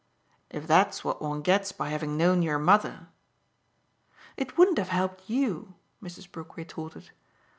"If that's what one gets by having known your mother !" "It wouldn't have helped YOU" Mrs. Brook retorted.